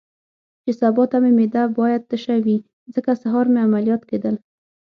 چې سبا ته مې معده باید تشه وي، ځکه سهار مې عملیات کېدل.